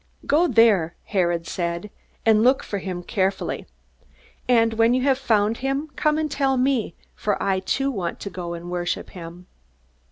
"Go there," Herod said, "and look for him carefully. And when you have found him come and tell me, for I too want to go and worship him."